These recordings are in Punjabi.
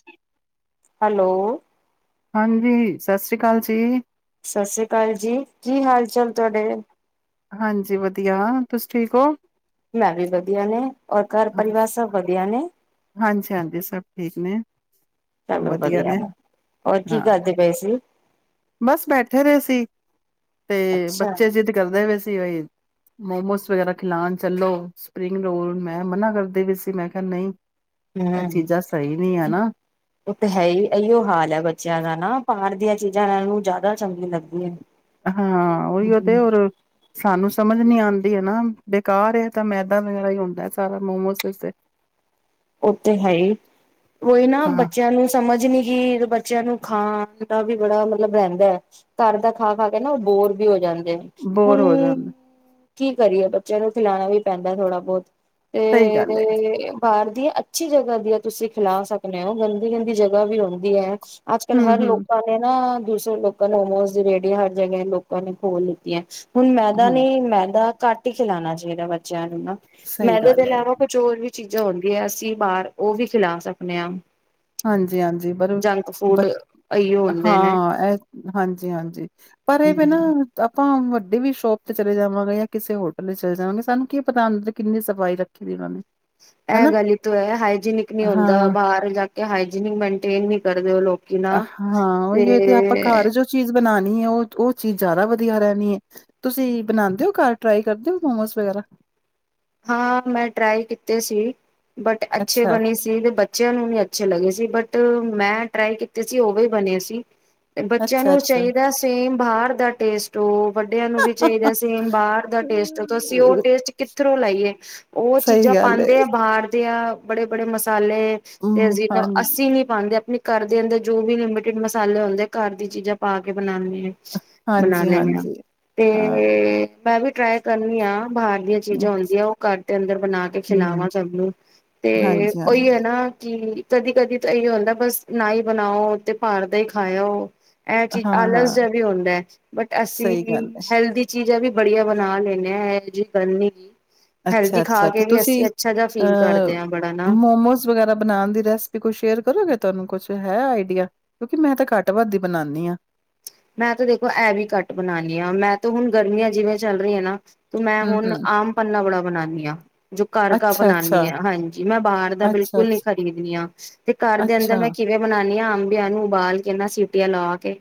ਜ ਹੈਲੋ ਹਾਂਜੀ ਸਤਿ ਸ੍ਰੀ ਅਕਾਲ ਜੀ ਸਤਿ ਸ੍ਰੀ ਅਕਾਲ ਜੀ ਕੀ ਹਾਲ ਚਾਲ ਤੁਹਾਡੇ ਹਾਂਜੀ ਵਧੀਆ ਤੁਸੀ ਠੀਕ ਹੋ ਮੈਂ ਵੀ ਵਧੀਆ ਨੇ ਔਰ ਘਰ ਪਰਿਵਾਰ ਸਭ ਵਧੀਆ ਨੇ ਹਾਂਜੀ ਹਾਂਜੀ ਸਭ ਠੀਕ ਨੇ ਸਭ ਚਲੋ ਵਧੀਆ ਨੇ, ਹੋਰ ਕੀ ਹਾਂ ਕਰਦੇ ਪਏ ਸੀ ਬਸ ਬੈਠੇ ਰਹੇ ਸੀ ਤੇ ਅੱਛਾ, ਬੱਚੇ ਜਿੱਦ ਕਰਦੇ ਪਏ ਸੀ ਮੋਮੋਸ ਵਗੈਰਾ ਖਿਲਣ ਚੱਲੋ ਸਪਰਿੰਗ ਰੋਲ ਮੈਂ ਮਨਾ ਕਰਦੇ ਵੀ ਸੀ ਮੈਂ ਕਿਹਾ ਨਹੀਂ ਇਹ ਹਮ ਚੀਜ਼ਾਂ ਸਹੀ ਨੀ ਹੈ ਨਾ, ਉਹ ਤਾਂ ਹੈ ਹੀ ਇਹੀਓ ਹਾਲ ਹੈ ਬੱਚਿਆਂ ਦਾ ਨਾ ਬਾਹਰ ਦੀਆਂ ਚੀਜ਼ਾਂ ਇਹਨਾਂ ਨੂੰ ਜ਼ਿਆਦਾ ਚੰਗੀਆਂ ਲੱਗਦੀਆਂ ਨੇ ਹਾਂ ਉਹੀ ਉਹ ਤੇ ਹੋਰ ਸਾਨੂੰ ਸਮਝ ਨ ਆਉਂਦੀ ਹੈ ਨਾ ਬੇਕਾਰ ਹੈ ਤਾਂ ਮੈਦਾ ਵਗੈਰਾ ਹੀ ਹੁੰਦਾ ਸਾਰਾ ਮੋਮੋ ਉਹ ਤੇ ਹੈ ਹੀ ਉਹੀ ਨਾ ਹਾਂ, ਬੱਚਿਆਂ ਨੂੰ ਸਮਝ ਨੀ ਕੀ ਬੱਚਿਆਂ ਨੂੰ ਖਾਣ ਦਾ ਵੀ ਬੜਾ ਮਤਲਬ ਰਹਿੰਦਾ ਹੈ। ਘਰ ਦਾ ਖਾ ਖਾ ਕੇ ਨਾ ਉਹ ਬੋਰ ਵੀ ਹੋ ਜਾਂਦਾ ਹੁ ਬੋਰ ਹੋ ਜਾਂਦਾ, ਕੀ ਕਰੀਏ ਬੱਚਿਆਂ ਨੂੰ ਖਿਲਾਉਣਾ ਵੀ ਪੈਂਦਾ ਥੋੜ੍ਹਾ ਬਹੁਤ ਸਹੀ ਗੱਲ ਹੈ, ਤੇ ਬਾਹਰ ਦੀ ਅੱਛੀ ਜਗਾ ਦੀ ਤੁਸੀਂ ਖਿਲਾ ਸਕਦੇ ਹੋ ਗਲ ਹਦੀ ਕਹਿੰਦੀ ਜਗ੍ਹਾ ਵੀ ਆਉਂਦੀ ਹੈ ਅੱਜ ਕੱਲ੍ਹ ਹਰ ਹੂੰ-ਹੂੰ, ਲੋਕਾਂ ਨੇ ਨਾ ਦੂਸਰੇ ਲੋਕਾਂ ਹੋਮੋਸ ਦੀ ਰੇੜੀ ਹਰ ਜਗ੍ਹ ਲੋਕਾਂ ਨੇ ਖੋਲ ਲਤੀਆਂ ਹੁਣ ਹੂੰ, ਮੈਦਾ ਨੇ ਹੂੰ, ਮੈਦਾ ਘੱਟ ਹੀ ਖਿਲਾਣਾ ਚਾਹੀਦਾ ਬੱਚਿਆਂ ਨੂੰ ਸਹੀ ਮੈਦੇ ਦੇ ਗੱਲ ਹੈ। ਇਲਾਵਾ ਕੁਚੋਰ ਵੀ ਚੀਜ਼ਾਂ ਹੁੰਦੀਆਂ ਅਸੀਂ ਬਾਹਰ ਉਹ ਵੀ ਖਿਲਾ ਸਕਦੇ ਹਾਂ ਹਾਂਜੀ ਹਾਂਜੀ, ਪਰ ਜੰਕ ਫੂਡ ਇਹੀਓ ਹੁੰਦੇ ਨੇ ਹਾਂ ਇਹ ਹਾਂਜੀ ਹਾਂਜੀ, ਪਰ ਇਹ ਵੀ ਨਾ ਹਮ ਆਪਾਂ ਸਾਡੇ ਵੀ ਸ਼ੋਪ ਤੇ ਚਲੇ ਜਾਵਾਂਗੇ ਜਾਂ ਕਿਸੇ ਹੋਟਲ ਤੇ ਚਲੇ ਜਾਵਾਂਗੇ। ਸਾਨੂੰ ਕੀ ਪਤਾ ਹ ਕਿੰਨੀ ਸਫ਼ਾਈ ਰੱਖੀ ਦੀ ਉਹਨਾਂ ਨੇ ਇਹ ਹਨਾ ਗੱਲ ਤੋਂ ਹੈ ਹਾਈਜੀਨਿਕ ਨੀ ਹੁੰਦਾ ਹਾਂ। ਬਾਹਰ ਜਾ ਕੇ ਹ [unintelligible] ਮਨਟੇਨ ਨ ਕਰਦੇ ਉਹ ਲੋਕ ਹਾਂ ਉਹੀ ਹੋ ਤੇ ਆਪਾਂ ਘਰ ਜੋ ਚੀਜ਼ ਬਣਾਣੀ ਹੈ ਉਹ ਉਹ ਚੀਜ਼ ਜ਼ਿਆਦਾ ਵਧੀਆ ਰਹਿਣੀ ਹੈ ਤੁਸੀਂ ਬਣਾਉਦੇ ਹੋ ਘਰ ਟਰਾਈ ਕਰਦੇ ਹੋ ਮੋਮੋ ਵਗੈਰਾ ਹਾਂ ਮੈਂ ਟਰਾਈ ਕੀਤੇ ਸੀ ਬਟ ਅੱਛੇ ਅੱਛਾ, ਬਣੇ ਸੀ ਤੇ ਬੱਚਿਆਂ ਨੂੰ ਵੀ ਅੱਛੇ ਲੱਗੇ ਸੀ ਬਟ ਮੈਂ ਟਰਾਈ ਕੀਤੀ ਸੀ ਉਹ ਵੀ ਬਣੇ ਸੀ ਤੇ ਬੱਚਿਆਂ ਨੂੰ ਅੱਛਾ-ਅੱਛਾ। ਚਾਹੀਦਾ ਸੇਮ ਬਾਹਰ ਦਾ ਟੇਸਟ ਉਹ ਵੱਡਿਆਂ ਨੂੰ ਵੀ ਚਾਹੀਦਾ ਸੇਮ ਬਾਹਰ ਦਾ ਟੇਸਟ ਅਸੀਂ ਉਹ ਟੇਸਟ ਕਿੱਥੋਂ ਲਾਈਏ ਉਹ ਸਹੀ ਚੀਜ਼ਾਂ ਗੱਲ ਏ ਪਾਉਂਦੇ ਆ ਬਾਹਰ ਦੀ ਬੜੇ ਬੜੇ ਮਸ ਮਸਾਲੇ ਤੇ ਹੂੰ ਹਾਂ ਅਸੀ ਨੀ ਪਾਉਂਦੇ ਆਪਣੀ ਘਦੇ ਅੰਦਰ ਜੋ ਵੀ ਲਿਮਟਿਡ ਮਸਾਲੇ ਹੁੰਦੇ ਆ ਘਰ ਦੀ ਚੀਜ਼ਾਂ ਪਾ ਕੇ ਬਣਾਉਂਦੇ ਬਣਾ ਲੈਣੇ ਹਾਂ ਹਾਂਜੀ-ਹਾਂਜੀ। ਤੇ ਹਾਂ ਮੈਂ ਵੀ ਟ੍ਰਏ ਕਰਨੀ ਆ ਬਾਹਰ ਚੀਜ਼ਾਂ ਆਉਂਦੀਆਂ ਉਹ ਘਰ ਦੇ ਅੰਦਰ ਬਣਾ ਕੇ ਹੂੰ ਖਿਲਾਵਾਂ ਸਭ ਨੂੰ ਤੇ ਉਹੀ ਹੈ ਹਾਂਜੀ-ਹਾਂਜੀ। ਨਾ ਕਿ ਕਦੀ ਕਦੀ ਤਾਂ ਇਹੀ ਹੁੰਦਾ ਬਸ ਨਾ ਹੀ ਬਣਾਓ ਤੇ ਭਾਰ ਦਾ ਹੀ ਖਾਇਓ ਇਹ ਚੀਜ਼ ਆਲਸ ਹਾਂ-ਹਾਂ, ਜਿਹਾ ਵੀ ਹੁੰਦਾ ਬਟ ਅਸੀਂ ਸਹੀ ਗੱਲ ਐ। ਹੈਲਦੀ ਚੀਜ਼ ਹੈ ਵੀ ਬੜੀਆ ਬਣਾ ਲੈਂਣੇੇ ਹ ਇਹ ਜੀ ਕਰਨੀ [unintelligible] ਅੱਛਾ ਅੱਛਾ ਤੇ ਤੁਸੀਂ ਫੀਲ ਕਰਦੇ ਅ ਹਾਂ ਬੜਾ ਨਾ ਮੋਮੋਸ ਵਗੈਰਾ ਬਣਾਉਣ ਦੀ ਰੈਸਪੀ ਕੁਛ ਸ਼ੇਅਰ ਕਰੋਗੇ ਤੁਹਾਨੂੰ ਕੁਛ ਹੈ ਆਈਡੀਆ ਕਿਉਂਕਿ ਮੈਂ ਤਾਂ ਘੱਟ ਵੱਧਦੀ ਬਣਾਉਦੀ ਹਾਂ ਮੈਂ ਤਾਂ ਦੇਖੋ ਇਹ ਵੀ ਕੱਟ ਬਣਾਉਂਦੀ ਹਾਂ ਮੈਂ ਤਾਂ ਹੁਣ ਗਰਮੀਆਂ ਜਿਵੇਂ ਚੱਲ ਰਹੀਆਂ ਨਾ ਤੇ ਮੈਂ ਹੁਣ ਹੂੰ-ਹੂੰ, ਆਮ ਪੰਨਾ ਬੜਾ ਬਣਾਉਾਨਦੀ ਹਾਂ ਜੋ ਘਰ ਘ ਅੱਛਾ-ਅੱਛਾ, ਬਣਾਦੀ ਹ ਹਾਂਜੀ ਮੈਂ ਬਾਹਰ ਦਾ ਅੱਛਾ-ਅੱਛਾ, ਬਿਲਕੁਲ ਨੀ ਖਰੀਦਣੀ ਆ ਤੇ ਘਰ ਦੇ ਅੰਦਰ ਅੱਛਾ, ਮੈਂ ਕਿਵੇਂ ਬਣਾਾਨਦੀ ਹਾਂ ਅੰਬੀਆਂ ਨੂੰ ਉਬਾਲ ਕੇ ਨਾ ਸੀਟੀਆਂ ਲਾ ਕੇ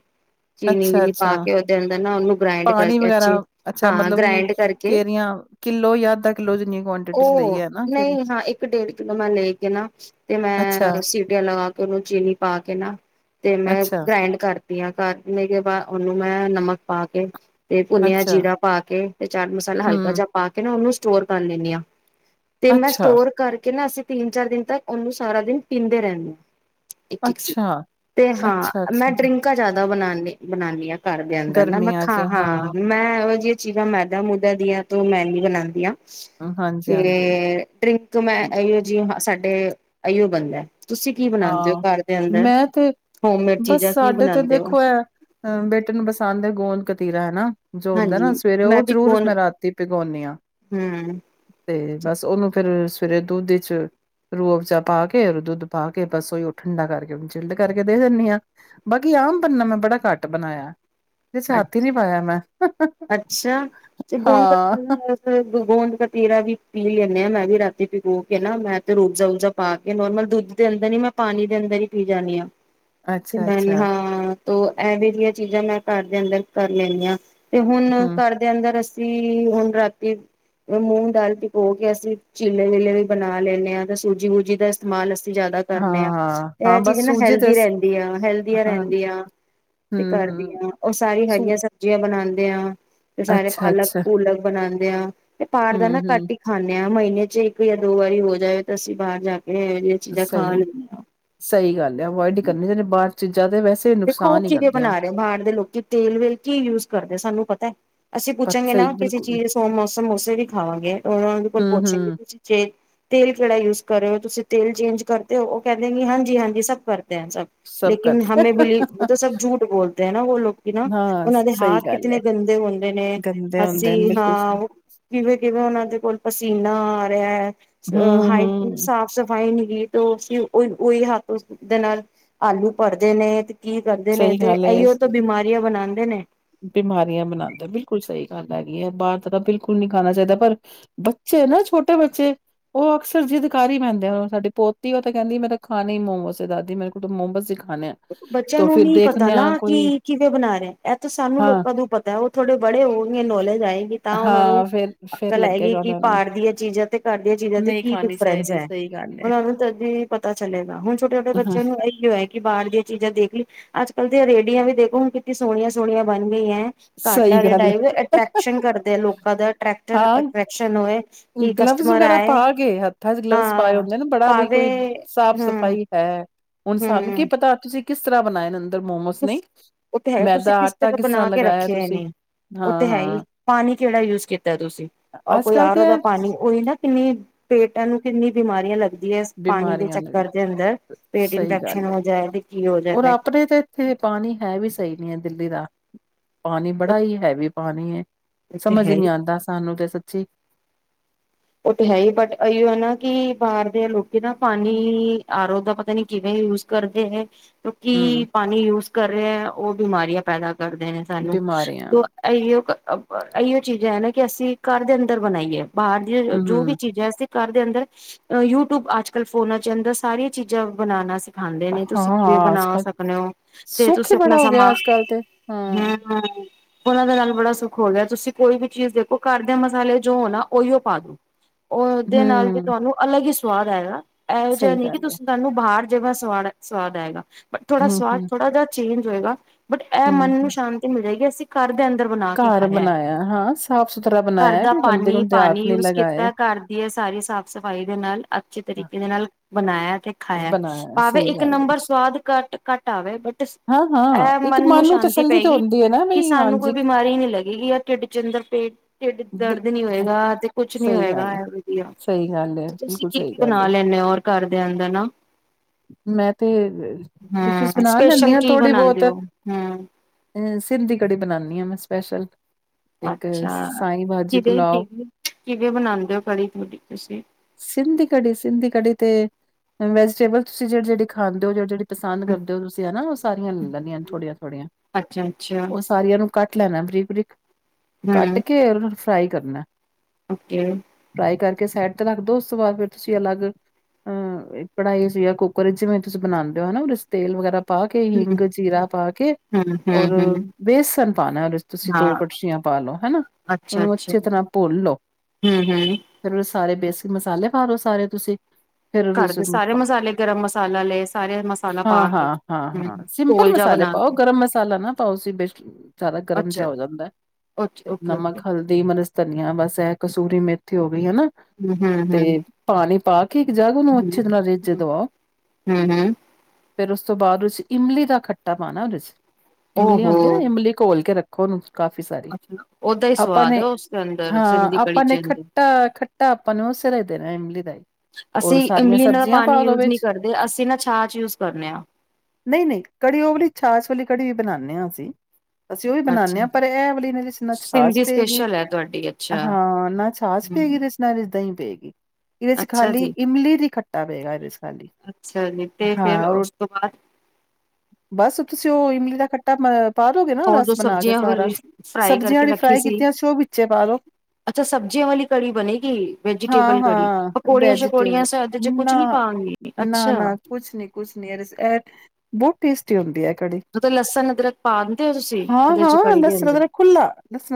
ਚੀਨੀ ਵੀਨੀ ਪਾ ਅੱਛਾ-ਅੱਛਾ। ਕੇ ਉਹਦੇ ਅੰਦਰ ਨਾ ਉਹਨੂੰ ਗ੍ਰਾਇੰਡ ਪਾਣੀ ਕਰਕੇ ਵਗੈਰਾ ਅੱਛੇ ਅੱਛਾ ਹਾਂ ਮਤਲਬ ਕਿ ਗ੍ਰਾਇੰਡ ਕਰਕੇ ਕੇਰੀਆਂ ਕਿੱਲੋ ਜਾਂ ਅੱਧਾ ਕਿੱਲੋ ਜਿੰਨੀ ਕੁਆਂਟਿਟੀ ਲਈ ਉਹ ਹੈ ਨਾ ਕੇਰੀ? ਨਹੀਂ ਹਾਂ ਇੱਕ ਡੇਢ ਕਿਲੋ ਮੈਂ ਲੈ ਕੇ ਨਾ ਤੇ ਅੱਛਾ, ਮੈਂ ਸੀਟੀਆਂ ਲਗਾ ਕੇ ਉਹਨੂੰ ਚੀਨੀ ਪਾ ਕੇ ਨਾ ਤੇ ਮੈਂ ਅੱਛਾ, ਗ੍ਰਾਇਡ ਕਰ ਅੰਬੀਆਂ ਘਰ ਕਿ ਉਹਨੂੰ ਮੈਂ ਨਮਕ ਪਾ ਕੇ ਤੇ ਭੁੰਨਿਆ ਅੱਛਾ, ਜੀਰਾ ਪਾ ਕੇ ਤੇ ਚਾਟ ਮਸਾਲਾ ਹਲਕਾ ਹੂੰ, ਜਿ ਪਾ ਕੇ ਨਾ ਉਹਨੂੰ ਸਟੋਰ ਕਰ ਲੈਂਨ ਹਾਂ ਤੇ ਮੈਂ ਅੱਛਾ, ਸਟੋਰ ਕਰਕੇ ਕਹਿੰਦਾ ਅਸੀਂ ਤਿੰਨ ਚਾਰ ਦਿਨ ਤੱਕ ਉਹਨੂੰ ਸਾਰਾ ਦਿਨ ਪੀਂਦੇ ਰਹਿੰਦੇ ਆਾਂ ਇੱਕ ਇੱਕ ਸੀ ਅੱਛਾ, ਤੇ ਹਾਂ ਮੈਂ ਅੱਛਾ-ਅੱਛਾ। ਡਰਿੰਕ ਜਿਆਦਾ ਬਣਾਾਨ ਬਣਾਉਦੀ ਹਾਂ ਕਰਦੇ ਅੰਦਰ ਨਾ ਮੈਂ ਗਰਮੀਆਂ 'ਚ ਖਾਂ ਹਾਂ ਮੈਂ ਇਹੋ ਜਿਹੀਆਂ ਚੀਜ਼ਾਂ ਮੈਦਾ ਮੂਦਾ ਦੀਆਂ ਤ ਮਹਿੰਗੀ ਬਣਾਉਂਦੀ ਆ। ਹਾਂਜੀ-ਹਾਂਜੀ। ਤੇ ਡਰਿੰਕ ਮੈਂ ਇਹ ਜਿ ਸਾ ਤੇ ਅਈਓ ਬਨਦਾ। ਤੁਸੀਂ ਕੀ ਬਣਾਉਦੇ ਹੋ ਹਾਂ ਘਰ ਦੇ ਅੰਦਰ ਮੈਂ ਤੇ ਹੋਮਮੇਡ ਬਸ ਚੀਜ਼ਾਂ ਕੀ ਸਾਡੇ ਤੇ ਬਣਾਉਂਦੇ ਹੋ? ਦੇਖੋ ਐ ਅ ਬੇਟੇ ਨੂੰ ਬਸਾ ਦੇ ਗੋਦ ਕਤੀਰਾ ਹਨਾ। ਜੋ ਹੁੰਦਾ ਹਾਂਜੀ ਨਾ ਸਵੇਰੇ ਮੈਂ ਉਹ ਵੀ ਜ਼ਰੂਰ ਗੋਨ ਮੈਂ ਰਾਤੀ ਭਿਗਾਉਂਦੀ ਹਾਂ ਹਮ ਤੇ ਬਸ ਉਹਨੂੰ ਫੇਰ ਫਿਰ ਦੁੱਧ ਇਚ ਰੋਬਜਾ ਪਾ ਕੇ ਉਹ ਦੁੱਧ ਪਾ ਕੇ ਬਸ ਓਹੀਓ ਠੰਡਾ ਕਰਕੇ ਚਈਲਡ ਕਰਕੇ ਦੇ ਦਿੰਦੀ ਹਾਂ ਬਾਕੀ ਆਮ ਪੰੰਨਾ ਮੈਂ ਬੜਾ ਘੱਟ ਬਣਾਇਆ। ਇਸ ਹੱਥ ਨੀ ਪਾਇਆ ਮੈਂ। ਅੱਛਾ ਤੇ ਗੋਂਦ ਕਤੀ ਹਾਂ [inaudible] ਪੀ ਲਿਆ ਮੈਂ ਵੀ ਰਾਤੀ ਪੀਗੋ ਕੇ ਨਾ ਮੈਂ ਤੇ ਰੋਬਜ਼ਾ-ਰੁਬਜਾ ਪਾ ਕੇ ਨੋਰਮਲ ਦੁੱਧ ਦੇ ਅੰਦਰ ਹੀ ਮੈਂ ਪਾਣੀ ਦੇ ਅੰਦਰ ਹੀ ਪੀ ਜਾਂਣੀ ਹਾਂ। ਅੱਛਾ ਅੱਛਾ ਹਾਂ ਤੋ ਇਹਵੇ ਜਿਹੀਆਂ ਚੀਜ਼ਾਂ ਮੈਂ ਘਰ ਦੇ ਅੰਦਰ ਕਰ ਲੈਂਦੀ ਹਾਂ। ਤੇ ਹੁਣ ਹਮ ਘਰ ਦੇ ਅੰਦਰ ਅਸ ਹੁਣ ਰਾਤੀ ਮੂੰਗ ਦਾਲ ਪਿਗੋ ਕੇ ਅਸੀਂ ਚਿੱਲੇ-ਵਿਲੇ ਵੀ ਬਣਾ ਲੈਂਨੇ ਹਾਂ ਤੇ ਸੂਜੀ-ਬੂਜੀ ਦਾ ਇਸਤੇਮਾਲ ਅਸ ਜਿਆਦਾ ਹਾਂ ਕਰਨੇ ਆ ਹਾਂ ਤੇ ਹਾਂ ਇਹ ਚੀਜ਼ ਬਸ ਨਾ ਸੂਜੀ ਤੇ ਹੈਲਦੀ ਰਹਿੰਦੀ ਆ ਹੈਲਦੀਆ ਹਾਂ ਹਮ ਰਹਿੰਦੀਆਂ ਤੇ ਘਰ ਹਮ ਦੀਆ ਉਹ ਸਾਰੀ ਸੂ ਹਰੀਆਂ ਸਬਜ਼ੀਆਂ ਬਣਾ [unintelligible] ਤੇ ਸਾਰੇ ਅੱਛਾ ਅੱਛਾ ਪਾਲਕ-ਪੂਲਕ ਬਣਾਉਂਦੇ ਆ ਤੇ ਪਾਰ ਦਾ ਹਮ ਨਾ ਹਮ ਘੱਟ ਹੀ ਖਾਂਨੇ ਆ। ਮਹੀਨੇ ਚ ਇੱਕ ਜਾਂ ਦੋ ਵਾਰੀ ਹੋ ਜਾਵੇ ਤਾਂ ਅਸੀਂ ਬਾਹਰ ਜਾ ਕੇ ਇਹੋ ਜਿਹੀਆਂ ਚੀਜ਼ਾਂ ਖਾ ਲੈਂਦੇ ਹਾਂ ਸਹੀ-ਸਹੀ ਗੱਲ ਅਵੋਇਡ ਹੀ ਕਰਨੀੇ ਬਾਹਰ ਚੀਜ਼ਾਂ ਤੇ ਵੈਸੇ ਦੇਖੋ ਉਹ ਨੁਕਸਾਨ ਹੀ ਕਿਵੇਂ ਕਰਦੀਆਂ। ਬਣਾ ਰਹੇ ਬਾਹਰ ਦੇ ਲੋਕੀ ਤੇਲ-ਵੇਲ ਕੀ ਯੂਜ ਕਰਦੇ ਸਾਨੂੰ ਪਤਾ। ਅਸੀਂ ਪਰ ਪੁੱਛਾਂਗੇ ਸਹੀ ਨਾ ਕਿਸੇ ਬਿਲਕੁਲ ਚੀਜ਼ ਸ ਮੌ ਸਮ ਜਿਹੜੀ ਖਾਵਗੇ। ਉਹ ਉਹਦੇ ਕੋਲ ਹੂੰ, ਪੁੱਛਣਗੇ ਹੂੰ ਤੁਸੀਂ ਜੇ ਤੇਲ ਕਿਹੜਾ ਯੂਜ ਕਰਿ ਹੋ ਤੁਸੀਂ ਤੇਲ ਚੇਂਜ ਕਰਦੇ ਹੋ ਉਹ ਕਹਿੰਦੇ ਹਾਂਜੀ-ਹਾਂਜੀ ਸਭ ਕਰ ਦੇ ਸਭ ਲੇਕਿਨ ਹਮੇ ਉਹ ਤਾਂ ਸਭ ਝੂਠ ਬੋਲਦੇ ਹਨਾ ਉਹ ਲੋਕ ਨਾ ਹਾਂ ਉਹਨਾਂ ਦੇ ਸਹੀ ਹਾਥ ਗੱਲ ਹੈ। ਕਿਤਨੇ ਗੰਦੇ ਹੁੰਦੇ ਨੇ ਗੰਦੇ ਹਸੀ ਹੁੰਦੇ ਨੇ ਬਿਲਕੁਲ ਸਹੀ ਹਾਂ ਕਿਵੇਂ-ਕਿਵੇਂ ਉਹਨਾਂ ਦੇ ਕੋਲ ਪਸੀ ਨਾ ਆ ਰਿਹਾ ਹੈ। ਅ ਹੂੰ, ਹਾਈ ਹੂੰ ਸਾਫ਼ ਸਫ਼ਾਈ ਨ ਤੇ ਫ ਉਹੀ-ਉਹੀ ਹੱਥ ਉਸਦੇ ਨਾਲ ਆਲੂ ਭਰਦੇ ਨੇ। ਤੇ ਕੀ ਕਰਦੇ ਨੇ ਸਹੀ ਤੇ ਗੱਲ ਹੈ। ਇਹੀਓ ਤੋਂ ਬਿਮਾਰੀਆਂ ਬਣਾਉਂਦੇ ਨੇ। ਬਿਮਾਰੀਆਂ ਬਣਾਉਂਦਾ ਬਿਲਕੁਲ ਸਹੀ ਗੱਲ ਹੈਗੀ ਹੈ ਬਾਹਰ ਤਾਂ ਬਿਲਕੁਲ ਨੀ ਖਾਣਾ ਚਾਹੀਦਾ ਪਰ ਬੱਚੇ ਨਾ ਛੋਟੇ ਬੱਚੇ ਉਹ ਅਕਸਰ ਜਿਦ ਕਰੀ ਪੈਂਦੇ ਆ ਸਾਡੀ ਪੋਤੀ ਉਹ ਤਾਂ ਕਹਿੰਦੀ ਮੇਰਾ ਖਾਣੇ ਹੀ ਮੋਮੋਸ ਹੈ ਦਾਦੀ ਮੇਰੇ ਕੋਲ ਮੋਮੋਸ ਹੀ ਖਾਣੇ ਹੈ। ਉਹਨੂੰ ਨੀ ਪਤਾ ਨਾ ਕਿ ਕਿਵੇਂ ਬਣਾ ਰਹੇ। ਇਹ ਤਾਂ ਸਾਨੂੰ ਹਾਂ, ਲੋਕਾਂ ਨੂੰ ਪਤਾ ਉਹ ਥੋਡੇ ਬੜੇ ਹੋ ਕੇ ਨੌਲੇਜ ਆਏਗੀ ਤਾਂ ਉਹਨਾਂ ਨੂੰ ਹਾਂ ਫਿਰ, ਫਿਰ ਅਕਲ ਆਏਗੀ ਲੱਗੇਗਾ ਕਿ ਉਹਨਾਂ ਨੂੰ ਬਾਰ ਦੀਆਂ ਚੀਜ਼ਾਂ ਤੇ ਘਰ ਦੀਆਂ ਚੀਜ਼ਾਂ ਤੇ ਨਹੀਂ ਕੀ ਖਾਣੀ ਡਿਫਰੈਂਸ ਚਾਹੀਦੀ ਹੈ ਸਹੀ ਗੱਲ ਹੈ। ਉਹਨਾਂ ਨੂੰ ਤਦ ਈ ਪਤਾ ਚਲੇਗਾ ਹੁਣ ਛੋਟੇ ਛੋਟੇ ਹਾਂ ਬੱਚਿਆਂ ਨੂੰ ਇਹੀਓ ਹੈ ਕਿ ਬਾਹਰ ਦੀਆਂ ਚੀਜ਼ਾਂ ਦੇਖ ਲਈ। ਅੱਜ ਕਲ੍ਹ ਤੇ ਰੇਰੀਆਂ ਵੀ ਦੇਖੋ ਹੁਣ ਕਿ ਸੋਹਣੀਆਂ ਸੋਹਣੀਆਂ ਬਣ ਗਈਆਂ ਘਾਟਾ ਸਹੀ ਦੇ ਗੱਲ ਡਾਈਵ ਹੈ ਅਟਰ੍ਰੈਕਸ਼ਨ ਕਰਦੇ ਆ ਲੋਕਾਂ ਦਾ ਟਰੈਕਸ਼ਨ ਹਾਂ ਐਟਕਸ਼ਨ ਹੋਵੇ ਕੀ ਗਲਵਸ ਕਸਟਮਰ ਵਗੈਰਾ ਪਾ ਆਏ, ਕੇ ਹੱਥਾਂ ਚ ਗਲਵਸ ਪਾਏ ਹਾਂ ਹੁੰਦੇ ਨਾ ਬੜਾ ਬਈ ਭਾਵੇ ਕੋਈ ਸਾਫ਼ ਹੂੰ। ਸਫ਼ਾਈ ਹੈ ਹੁਣ ਸਾਨੂੰ ਕੀ ਪਤਾ ਤੁਸੀਂ ਕਿਸ ਤਰ੍ਹਾਂ ਬਣਾਇਆ ਇਹਨਾ ਨ ਮੋਮੋਸ ਨਹੀਂ ਮੈਦਾ ਆਟਾ ਕਿਸ ਤਰ੍ਹਾਂ ਲਗ ਖੇ ਨੇ ਉਹ ਤੇ ਹੈ ਹੀ ਪਾਣੀ ਕਿਹੜਾ ਯੂਜ ਕੀਤਾ ਤੁਸੀਂ ਉਹ ਅੱਜ ਕੋਈ ਕੱਲ੍ਹ ਤੇ ਆਰੋ ਦਾ ਇਹ ਪਾਣੀ ਉਹੀ ਨਾ ਕਿੰਨੀ ਪੇਟਾਂ ਨੂੰ ਕਿੰਨੀ ਬਿਮਾਰੀਆਂ ਲੱਗਦੀ ਯੈੱਸ ਪਾਣੀ ਦੇ ਬਿਮਾਰੀਆਂ ਨੇ ਚੱਕਰ ਦੇ ਅੰਦਰ ਪੇਟ ਸਹੀ ਇਨਫੈਕਸ਼ਨ ਗੱਲ ਹੈ ਹੋ ਜਾਏ ਤੇ ਕੀ ਹੋ ਔਰ ਜਾਵੇ। ਆਪਣੇ ਤਾਂ ਇੱਥੇ ਪਾਣੀ ਹੈ ਵੀ ਸਹੀ ਨੀ ਹੈ ਦਿੱਲੀ ਦਾ ਪਾਣੀ ਉਹ ਬੜਾ ਹੀ ਹੈਵੀ ਪਾਣੀ ਆ, ਤੇ ਸਮਝ ਹੀ ਹੈ ਨਹੀਂੀ ਆਉਂਦਾ ਸਾਨੂੰ ਤੇ ਸਚ ਠੀਕ ਉਹ ਤੇ ਹੈ ਹੀ ਬਟ ਇ ਹੈ ਨਾ ਕਿ ਬਾਹਰ ਦੇ ਲੋਕ ਕਿ ਨਾ ਪਾਣੀ ਆਰੋ ਦਾ ਪਤਾ ਨੀ ਕਿਵੇਂ ਯੂਜ ਕਰਦੇ ਹੈ। ਕਿਉਂਕਿ ਹਮ ਪਾਣੀ ਯੂਜ ਕਰ ਰਹੇ ਆ ਉਹ ਬਿਮਾਰੀਆਂ ਪੈਦਾ ਕਰਦੇ ਨੇ ਸਾਨੂੰ ਬਿਮਾਰੀਆਂ ਤ ਇਹੀਓ ਕ ਅਪ ਇਹੀੋਉ ਚੀਜ਼ ਹੈ ਨਾ ਕਿ ਅਸੀਂ ਘਰ ਦੇ ਅੰਦਰ ਬਣਾਈਏ ਬਾਹਰ ਏਹ ਜੋ ਹਮ ਵੀ ਚੀਜ਼ ਹੈ ਅਸੀਂ ਕਰ ਦੇ ਅੰਦਰ ਯੂਟਿਊਬ ਅੱਜ ਕਲ ਫੋਨਾਂ ਚ ਅੰਦਰ ਸਾਰੀਆਂ ਚੀਜ਼ਾਂ ਬਣਾਉਣਾ ਸਿ ਖਾਂਦੇ ਨੇ ਤੁਸੀਂ ਕਿਵੇਂ ਹਾਂ, ਬਣਾ ਸਕਦੇ ਹੋ ਤੇ ਤੁਸੀਂ ਆਪਣਾ ਸਮਾਨ, ਹਾਂ, ਹੂੰ ਉਹਨਾਂ ਦੇ ਨਾਲ ਬੜਾ ਸੁੱਖ ਹੋ ਗਿਆ ਤੁਸੀਂ ਕੋਈ ਵੀ ਚੀਜ਼ ਦੇਖੋ ਘਰ ਦੇ ਮਸਾਲੇ ਜੋ ਹੋ ਨਾ ਉਹੀਉ ਪਾ ਦਿਓ ਉਹਦੇ ਨਾਲ ਵੀ ਹੂੰ, ਤੁਹਾਨੂੰ ਅਲੱਗ ਹੀ ਸ ਸਵਾਦ ਆਏਗਾ। ਇਹੋ ਜਿਹਾ ਸਹੀ ਨਹੀਂ ਕਿ ਗੱਲ ਐ। ਤੁਸੀਂ ਤਾਂਨੂੰ ਬਾਹਰ ਜਵਾਂ ਸਵਾਨ ਸਵਾਦ ਸਵਾਦ ਆਏਗਾ। ਥੋੜਾ ਹੂੰ, ਸਵਾਦ ਹੂੰ, ਥੋੜਾ ਜਹਾ ਚੇਜ਼ ਹੋਏਗਾ। ਬਟ ਐ ਹੂੰ, ਮਨ ਨੂੰ ਹੂੰ। ਸ਼ਾਂਤੀ ਮਿਲੇਗੀ ਅਸੀਂ ਕਰ- ਘਰ ਬਣਾਇਆ ਹਾਂ ਸਾਫ਼ ਸੁਥਰਾ ਘਰ ਬਣਾਇਆ ਦਾ ਕੋਈ ਗੰਦੇ ਪਾਣੀ ਗੁੰਦੇ ਪਾਣੀ ਹਥ ਨਹੀਂ ਯੂਜ ਲੱਗ ਕੀਤਾ ਘਰ ਦੀ ਹੈ ਸਾਰੀ ਸਾਫ਼ ਸਫ਼ਾਈ ਦੇ ਨਾਲ ਅੱਛੇ ਤਰੀਕੇ ਦੇ ਨਾਲ ਬਣਾਇਆ ਤੇ ਖਾਇਆ ਬਣਾਇਆ ਭਾਵੇ ਸਹੀ ਇੱਕ ਗੱਲ ਐ। ਨੰਬਰ ਸਵਾਦ ਘੱਟ ਘੱਟ ਆਵੇ ਹਾਂ-ਹਾਂ, ਇਹ ਇੱਕ ਮਨ ਨੂੰ ਸ਼ਾਂਤੀ ਤਸੱਲੀ ਤੇ ਪਏਗੀ ਹੁੰਦੀ ਐ ਨਾ ਕਿ ਬਈ ਸਾਨੂੰ ਕੋਈ ਹਾਂਜੀ ਬਿਮਾਰੀ ਨਹੀਂੀ ਲੱਗੇਗੀ ਆ ਢਿੱਡ ਚਿੰਦਰ ਪੇਟ ਢਡ ਬ- ਦਰਦ ਨੀ ਹੋਏਗਾ ਤੇ ਨੀ ਸਹੀ ਹੋਏਗਾ ਗੱਲ ਵਧੀਆ। ਸਹੀ ਗੱਲ ਹੈ ਤੁਸੀਂ ਬਿਲਕੁਲ ਕੀ ਸਹੀ ਕੀ ਗੱਲ ਬਣਾ ਹੈ ਲੈਂਦੇ ਹੋ ਔਰ ਘਰ ਦੇ ਅੰਦਰ ਨਾ ਮੈਂ ਤੇ ਡਿਸ਼ਿਿਸ ਹਮ ਬਣਾ ਲੈਂਦੀ ਸਪੈਸ਼ਲ ਹਾਂ ਕੀ ਥੋੜੀ ਬਹੁਤ ਬਣਾਉਂਦੇ ਅ ਹੋ ਹਮ ਸਿੰਧੀ ਕੜੀ ਬਣਾਾਨਦੀ ਹਾਂ ਮੈਂ ਅਸਲ ਅੱਛਾ ਕਿਵੇ ਪੁੁਲਾਓ ਕਿਵੇ ਕਿਵੇਂ ਬਣਾਉਂਦੇ ਹੋ ਕੜੀ ਤੁਹਾਡੀ ਤੁਸੀਂ ਸਿੰਧ ਦੀ ਕੜੀ ਸਿੰਧ ਦੀ ਕੜੀ ਤੇ ਵੈਜੀਟੇਬਲ ਤੁਸੀਂ ਜਿਹੜੀ ਜਿਹੜੇ ਖਾਂਦੇ ਹੋ ਜਹੜ ਪਸੰਦ ਕਰਦੇ ਹੋ ਤੁਸੀਂ ਹਨਾ ਉਹ ਸਾਰੀਆਂ ਲੈ ਲੈਂਦੀਆਂ ਥੋੜੀਆਂ ਥੋੜੀਆਂ ਅੱਛਾ ਅੱਛਾ ਉਹ ਸਾਰੀਆਂ ਨੂੰ ਕਟ ਲੈ ਨਾ ਬਰੀੀਕ ਬ੍ਰੀਕ ਹਮ ਫ ਉਹ ਫਰਾਈ ਕਰਨਾ ਓਕੇ ਫਰਾਈ ਕਰਕੇ ਸਾਈਡ ਤੇ ਰੱਖ ਦਿੋ ਉਸ ਤੋਂ ਬਾਅਦ ਫਿਰ ਤੁਸੀਂ ਅਲੱਗ ਅਹ ਕੜ੍ਹਾਈ ਸੀ ਕੁਕਰ ਜਿਵੇਂ ਤੁਸੀਂ ਬਣਾਉਂਦੇ ਹੋਾ ਉਹ ਤੇਲ ਵਗੈਰਾ ਪਾ ਕੇ ਹਿੰਗ ਹਮ ਜੀਰਾ ਪਾ ਕੇ ਹਮ ਔਰ ਹਮ ਹਮ ਬੇਸਨ ਪਾਣਾ ਉਹਦੇ ਤੁਸੀਂ ਦੋ ਹਾਂ ਕੜਛੀਆਂ ਪਾ ਲਓ ਹਨਾ ਅੱਛਾ ਉਹਨੂੰ ਅੱਛਾ ਅੱਛੇ ਤਰ੍ਹਾਂ ਭੁੱਲ ਲੋਓ ਹਮ ਹਮ ਫਿਰ ਸਾਰੇ ਬੇਸਿਕ ਮਸਾਲੇ ਪਾ ਲੋ ਸਾਰੇ ਤੁਸੀਂ ਫੇਿਰ ਉਹਦੇ ਘਰ ਦੇ ਸਾਰੇ ਮਸਾਲੇ ਗਰਮ ਮਸਾਲਾ ਲਏ ਸਾਰੇ ਮਸਾਲਾ ਹਾਂ ਪਾ ਕੇ ਹਾਂ ਹਾਂ ਹਾਂ ਹਮ ਸਿੰਪਲ ਘੋਲ ਜਾ ਮਸਾਲੇ ਬਣਾ ਪਾਓ ਕੇ ਗਰਮ ਮਸਾਲਾ ਨਾ ਪਾਓ ਸੀ ਬੇਸ਼ ਜ਼ਿਆਦਾ ਗਰਮ ਜਿਹਾ ਅੱਛਾ ਹੋ ਜਾਂਦਾ ਓਕੇ ਤੇ ਓਕੇ ਨਮਕ ਹਲਦੀ ਮਨਸ ਧਨੀਆ ਬਸ ਇਹ ਕਸੂਰੀ ਮੇਥਿਓ ਹਨਾ ਹਮ ਹਮ ਤੇ ਹਮ ਪਾਣੀ ਪਾ ਕੇ ਇੱਕ ਜਗ੍ਹ ਉਹਨੂੰ ਅੱਛੀ ਤਰ੍ਹਾਂ ਰੇਜੇ ਹਮ ਦਵਾਓ ਹਮ ਹਮ ਫੇਿਰ ਉਸ ਤੋਂ ਬਾਅਦਦੇ ਇਮਲੀ ਦਾ ਖੱਟਾ ਪਾਣਾ ਉਹਦੇ ' ਇਮਲੀ ਹੁੰਦੀ ਨਾ ਓਹੋ ਇਮਲੀ ਘੋਲ ਕੇ ਰੱਖ ਕੌਲੂੰ ਕਾਫ਼ੀ ਸਾਰੀ ਅੱਛਾ ਉਹਦਾ ਹੀ ਆਪਾਂ ਸਵਾਦ ਨੇ ਹੈ ਉਸਦੇ ਅੰਦਰ ਹਾਂ ਸਿੰਧੀ ਕੜੀ ਆਪਾਂ ਚ ਨੇ ਅੰਦਰ ਖੱਟਾ ਖੱਟਾ ਆਪਾਂ ਨੇ ਉਸੇ ਦਾ ਹੀ ਦੇਣਾ ਇਮਲੀ ਦਾ ਹੀ ਰ ਅਸੀਂ ਸਾਰੀਆਂ ਇਮਲੀ ਦਾ ਸਬਜ਼ੀਆਂ ਪਾਣੀ ਪਾ ਦੋ ਯੂਜ ਨਹੀਂ ਵਿੱਚ ਕਰਦੇ ਅਸੀਂ ਨਾ ਛਾਛ ਯੂਜ ਕਰਨੇ ਆ ਨਹੀਂ ਨਹੀਂ ਕੜੀ ਉਓਵਲੀ ਛਾਛ ਵਾਲਲੀ ਕ ਅਸੀਂ ਉਹ ਵੀ ਅੱਛਾ ਬਨਾਉਂਦੇ ਹਾਂ ਪਰ ਇਹ ਵਾਲਲੀ ਮੇਰੀ ਸਿ ਚ ਛਾਛ ਸਿੰਧੀ ਪਏਗੀ ਸਪੈਸ਼ਲ ਹੈ ਤੁਹਾਡੀ ਅੱਛਾ ਹਾਂ ਨਾ ਛਾਛ ਪਏਗੀ ਹਮ ਇਹਦੇ ਚ ਨਾ ਰਜਦਾਂ ਹੀ ਪਏਗੀ ਇਹਦੇ ਚ ਅੱਛਾ ਖਾਲੀ ਜੀ ਇਮਲੀ ਦੀ ਖੱਟਾ ਪਏਗਾ ਇਹਦੇ ਚ ਖਾਲੀ ਅੱਛਾ ਜੀ ਤੇ ਹਾਂ ਫਿਰ ਰ ਉਸ ਤੋਂ ਬਾਅਦ ਬਸ ਤੁਸੀਂ ਇਮਲੀ ਦਾ ਖੱਟਾ ਪਾਾਰੋਗੇ ਨਾ ਉਹ ਰਸ ਬਣਾ ਕੇ ਸਾਰਾ ਸਬਜ਼ੀਆਂ ਵਾਲੀ ਰੀ ਸੀ ਅੱਛਾ ਸਬਜ਼ੀਆਂ ਵਾਲੀ ਕੜੀ ਬਣੇਗੀ ਵੈਜੀਟੇਬਲ ਕੜੀ ਹਾਂ-ਹਾਂ ਪਕੌੜੀਆਂ ਸ਼ਕੌੜੀਆਂ ਵੈਜੀਟੇਬਲ ਸਦ ਚ ਕੁਛ ਨਾ ਨਹੀਂੀ ਪਾਾਂਗੀ ਅੱਛਾ ਨਾ-ਨਾ ਕੁਛ ਨੀ ਕੁਛ ਨੀ ਇਹਦੇ ਚ ਇਹ ਬਹੁਤ ਟੇਸਟੀ ਹੁੰਦੀ ਹੈ ਕੜੀ ਉਹ ਤਾਂ ਲਸਣ ਅਦਰਕ ਪਾ ਦਿੰਦੇ ਹੋ ਤੁਸੀਂ ਇਦਰ ਚ ਕੜੀ ਦੇ ਅੰਦਰ ਦਸ ਮ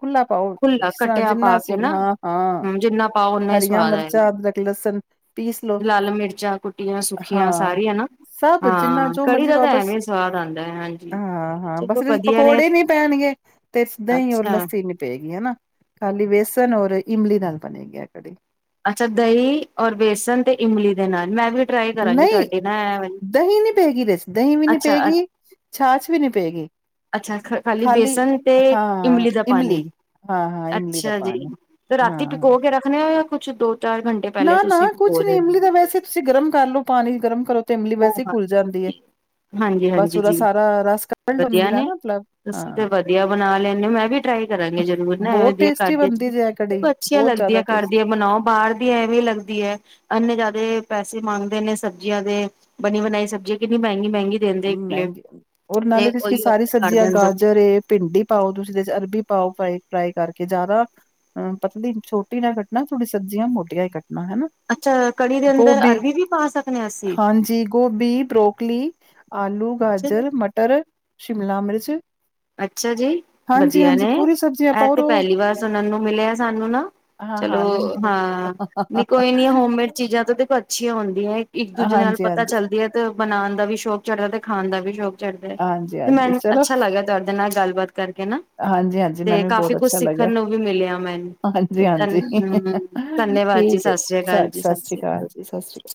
ਖੁੱਲਾ ਪਾਓ ਖੁੱਲਾ ਜਿਸ ਤਰ੍ਹਾਂ ਕੱਟਿਆ ਜਿੰਨਾ ਪਾ ਕੇ ਅਸੀ ਨਾ ਹਾਂ ਹਾਂ ਹਮ ਜਿੰਨਾ ਪਾਓ ਓਨਾ ਹੀ ਹਰੀਆਂ ਸਵਾਦ ਆਏਗਾ ਮਿਰਚਾਂ ਅਦਰਕ ਲਸਣ ਪੀਸ ਲਓ ਲਾਲ ਮਿਰਚਾਂ ਕੁੱਟੀਆਂ ਸੁੱਖੀਆਂ ਹਾਂ ਸਾਰੀਆਂ ਨਾ ਸਭ ਜਿੰਨਾ ਹਾਂ ਜੋ ਕੜੀ ਮਰਜ਼ੀ ਦਾ ਤਾਂ ਵਾਪਸ ਐਵੇਂ ਸਵਾਦ ਆਉਂਦਾ ਹੈ ਹਾਂਜੀ ਹਾਂ ਹਾਂ ਬਸ ਚਲੋ ਵਧੀਆ ਨੇ ਪਕੌੜੇ ਨੀ ਪੈਣਗੇ ਤੇਦ ਹੀ ਅੱਛਾ ਲੱਸੀ ਨ ਪਏ ਨਾ ਖਾਲੀ ਬੇਸਨ ਔਰ ਇਮਲੀ ਨਾਲ ਬਣੇਗੀ ਆ ਕੜੀ ਅੱਛਾ ਦਹੀਂ ਔਰ ਬੇਸਣ ਤੇ ਇਮਲੀ ਦੇ ਨਾਲ ਮੈਂ ਵੀ ਟਰਾਈ ਕਰਾਂਗੀ ਨਹੀਂ ਤੁਹਾਡੀ ਨਾ ਐ ਵਾਲੀ ਦਹੀਂ ਨਹੀਂੀ ਪਏਗੀ ਰੈਸ ਦਹੀਂ ਵੀ ਨਹੀ ਅੱਛਾ ਪਏਗੀ ਛਾਹਛ ਵੀ ਨਹੀਂੀ ਪਏਗੀ ਅੱਛਾ ਖ ਖਾਲੀ ਬੇਸਨ ਤੇ ਹਾਂ ਇਮਲੀ ਦਾ ਪਾਣੀ ਹਾਂ-ਹਾਂ ਇਮਲੀ ਦਾ ਅੱਛਾ ਜੀ ਪਾਣੀ ਤੇ ਰਾਤੀ ਪਕੋ ਕੇ ਰੱਖਣੇ ਹੋ ਕੁਛ ਦੂਰ ਨਾ ਨਾ ਕੁਛ ਨੀ ਇਮਲੀ ਦਾ ਵੈਸੇ ਤੁਸੀਂ ਗਰਮ ਕਰ ਲੋ ਪਾਣੀ ਗਰਮ ਕਰੋ ਤੇ ਇਮਲੀ ਵੈਸੇ ਹੀ ਘੁਲ ਜਾਂਦੀ ਐ। ਹਾਂਜੀ ਬਸ ਹਾਂਜੀ ਉਹਦਾ ਜੀ ਸਾਰਾ ਰਸ ਕੱਢ ਲਓ ਇਮਲੀ ਵਧੀਆ ਦਾ ਨੇ ਨਾ ਮਤਲਬ ਤੁਸੀਂ ਤੇ ਹਾਂ ਵਧੀਆ ਬਣਾ ਲੈਂਦੇ ਮੈਂ ਵੀ ਟਰਾਈ ਕਰਾਂਗੇ ਜਰੂਰ ਨਾ ਬਹੁਤ ਵਧ ਟੇਸਟੀ ਕਰਦੀ ਚ ਬਣਦੀ ਜੇ ਐ ਕੜੀ ਦੇੋ ਅੱਛੀਆਂ ਬਹੁਤ ਜ਼ਿਆਦਾ ਲੱਗਦੀ ਕਰਦੀਆਂ ਟੇਸਟੀ ਬਣਾਓ ਬਾਹਰ ਐ ਵੀ ਲੱਗਦੀ ਹੈ ਅੰਨੇ ਜ਼ਿਆਦੇ ਪੈਸੇ ਮੰਗਦੇ ਨੇ ਸਬਜ਼ੀਆਂ ਦੇ ਬਣੀ ਬਣਾਈ ਸਬਜ਼ੀ ਕਿੰਨੀ ਬਾਈ ਮਹਿੰਗੀ ਰ ਨਾਲੇ ਤੇ ਤੁਸੀਂ ਕੀ ਉਹੀ ਸਾਰੀ ਆਪਣੇ ਘਰ ਸਬਜ਼ੀਆਂ ਦੇ ਅੰਦਰ ਗਾਜਰ ਏ ਭਿੰਡੀ ਪਾਓ ਤੁਸੀਂਦੇ ਅਰਬੀ ਪਾਓ ਫ ਫਰਾਈ ਕਰਕੇ ਜ਼ਿਆਦਾ ਅਹ ਪਤਾ ਨਹੀਂ ਛੋਟੀ ਨਾ ਕੱਟਣਾ ਥੋੜੀਆਂ ਸਬਜ਼ੀਆਂ ਮੋਟੀਆਂ ਕੱਟਣਾ ਹਨਾ ਅੱਛਾ ਕੜੀ ਦੇ ਅੰਦਰ ਗੋਭੀ ਅਰਬੀ ਵੀ ਪਾ ਸਕਦੇ ਹਾਂ ਅਸੀਂ ਹਾਂਜੀ ਗੋਭੀ ਬਰੋਕਲੀ ਆਲੂ ਅੱਛਾ ਜੀ ਗਾਜਰ ਮਟਰ ਸ਼ਿਮਲਾ ਮਿਰਚ ਅੱਛਾ ਜੀ ਹਾਂਜੀ ਵਧੀਆ ਹਾਂਜੀ ਨੇ ਪੂਰੀ ਸਬਜ਼ੀਆਂ ਇਹ ਪਾਓ ਔਰ ਤੇ ਉਹ ਪਹਿਲੀ ਵਾਰ ਸੁਣਨ ਨੂੰ ਮਿਲਿਆ ਸਾਨੂੰ ਨਾ ਹਾਂ ਚਲੋ ਹਾਂ ਨਹੀਂ ਬਹੁਤ ਹਾਂ ਨ ਕੋਈ ਨੀ ਹੋਮਮੇਡ ਚੀਜ਼ਾਂ ਤੋਂ ਦੇਖੋ ਅੱਛੀਆਂੀਆਂ ਹੁੰਦੀ ਇੱਕ ਦੂਜੇ ਨਾਲ ਹਾਂਜੀ ਪਤਾ ਹਾਂਜੀ ਚੱਲਦੀ ਹੈ ਤੇ ਬਣਾਉਣ ਦਾ ਵੀ ਸ਼ੌਕ ੜਾ ਤੇ ਖਾਣ ਦਾ ਵੀ ਸ਼ੌਕ ਚੜਦੇ ਹਾਂਜੀ ਤੇ ਮੈਨੂੰ ਅੱਛਾ ਲੱਗਦਾ ਨਾਲ ਗੱਲਬਾਤ ਕਰਕੇ ਨਾ ਹਾਂਜੀ ਹਾਂਜੀ ਤੇ ਮੈਨੂੰ ਵੀ ਬਹੁਤ ਕਾਫ਼ੀ ਕੁਛ ਅੱਛਾ ਲੱਗਾਿਆ ਸਿੱਖਣ ਨੂੰ ਵੀ ਮਿਲਿਆ ਮੈਨੂੰ। ਹਾਂਜੀ ਧੰਨ ਹਾਂਜੀ ਹਮ ਧੰਨਵਾਦ ਠੀਕ ਹੈ ਸਤਿ ਜੀ ਸ੍ਰੀ ਅਕਾਲ ਜੀ ਸਤਿ ਸ੍ਰੀ ਅਕਾਲ ਜੀ ਸਤਿ ਸ੍ਰੀ ਅਕਾਲ